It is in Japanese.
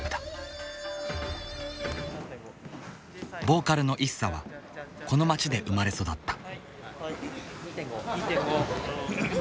ボーカルのＩＳＳＡはこの町で生まれ育った。